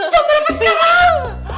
jom berapa sekarang